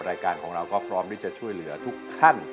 รายการของเราก็พร้อมที่จะช่วยเหลือทุกท่าน